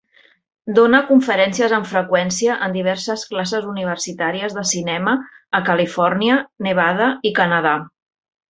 Dóna conferències amb freqüència en diverses classes universitàries de cinema a Califòrnia, Nevada i Canadà.